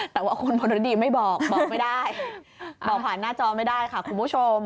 แต่ว่าคุณพรดีไม่บอกบอกไม่ได้บอกผ่านหน้าจอไม่ได้ค่ะคุณผู้ชม